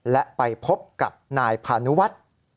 และไปพบกับนายพานุวัฒน์